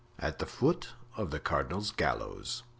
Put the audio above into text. "At the foot of the cardinal's gallows."